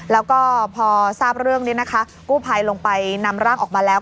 แล้วก็พอทราบเรื่องนี้นะคะกู้ภัยลงไปนำร่างออกมาแล้ว